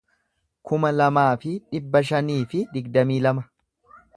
kuma lamaa fi dhibba shanii fi digdamii lama